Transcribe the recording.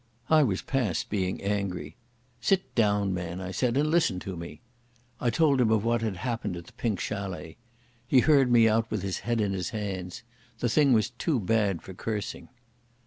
I was past being angry. "Sit down, man," I said, "and listen to me." I told him of what had happened at the Pink Chalet. He heard me out with his head in his hands. The thing was too bad for cursing.